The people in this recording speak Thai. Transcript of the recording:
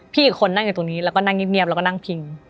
อีกคนนั่งอยู่ตรงนี้แล้วก็นั่งเงียบแล้วก็นั่งพิง